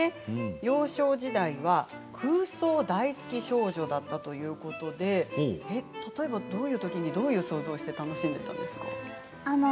幼少時代は空想大好き少女だったということなんですけれど例えば、どういうときにどういう想像をしていたんですか？